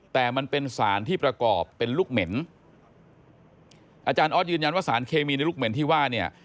แต่มันเป็นสารที่ประกอบเป็นลูกเหม็นอาจารย์ออสยืนยันว่าสารเคมีในลูกเหม็นที่ว่าเนี่ย